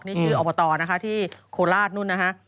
นี่ชื่ออบตที่โคราช